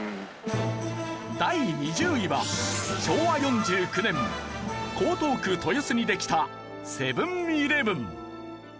第２０位は昭和４９年江東区豊洲にできたセブンーイレブン。